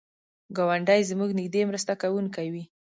ګاونډی زموږ نږدې مرسته کوونکی وي